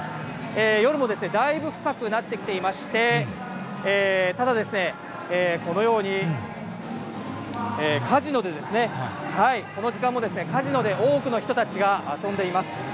夜もだいぶ深くなってきていまして、ただ、このようにカジノでですね、この時間もカジノで多くの人たちが遊んでいます。